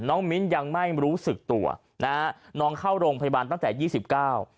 น้องมิ้นยังไม่รู้สึกตัวนะฮะน้องเข้าโรงพยาบาลตั้งแต่๒๙มีนาคม